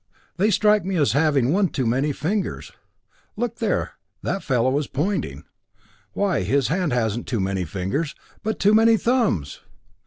They strike me as having one too many fingers look there that fellow is pointing why his hand hasn't too many fingers, but too many thumbs!